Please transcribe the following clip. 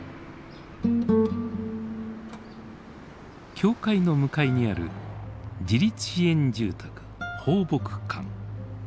教会の向かいにある自立支援住宅「抱樸館」。